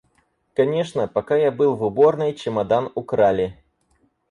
Конечно, пока я был в уборной, чемодан украли.